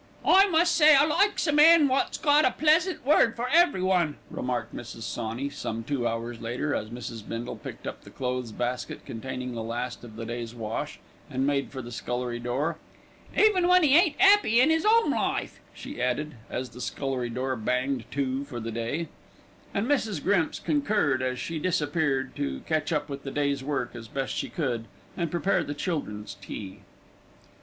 "I must say I likes a man wots got a pleasant word for everyone," remarked Mrs. Sawney, some two hours later, as Mrs. Bindle picked up the clothes basket containing the last of the day's wash, and made for the scullery door, "even when 'e ain't 'appy in 'is 'ome life," she added, as the scullery door banged to for the day, and Mrs. Grimps concurred as she disappeared, to catch up with the day's work as best she could, and prepare the children's tea.